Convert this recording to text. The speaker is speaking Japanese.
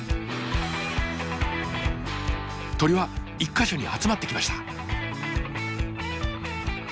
鳥は１か所に集まってきました。